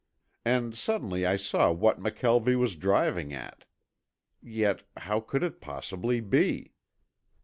And suddenly I saw what McKelvie was driving at. Yet, how could it possibly be?